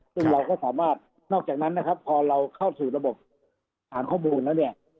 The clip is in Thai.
ซึ่งเราก็สามารถนอกจากนั้นนะครับพอเราเข้าสู่ระบบฐานข้อมูลแล้วเนี่ย